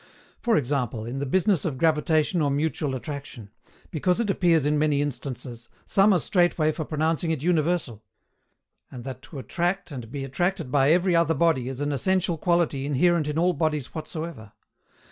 For example, in the business of gravitation or mutual attraction, because it appears in many instances, some are straightway for pronouncing it universal; and that to attract and be attracted by every other body is an essential quality inherent in all bodies whatsoever.